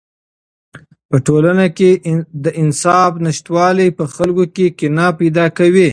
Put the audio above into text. په ټولنه کې د انصاف نشتوالی په خلکو کې کینه پیدا کوي.